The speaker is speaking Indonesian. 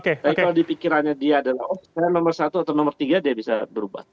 tapi kalau dipikirannya dia adalah nomor satu atau nomor tiga dia bisa berubah